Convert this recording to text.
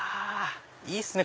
いいっすね！